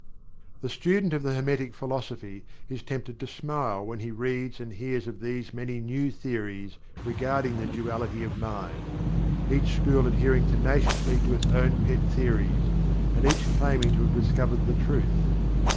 The student of the Hermetic Philosophy is tempted to smile when he reads and hears of these many "new theories" regarding the duality of mind, each school adhering tenaciously to its own pet theories, and each claiming to have "discovered the truth."